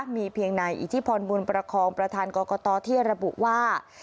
มีเพียงนายอิทธิพรบุญประคองประธานกรกตที่ระบุว่า